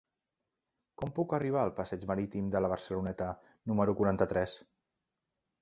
Com puc arribar al passeig Marítim de la Barceloneta número quaranta-tres?